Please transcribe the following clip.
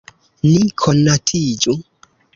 Ni konatiĝu.